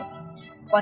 còn chứ không cấm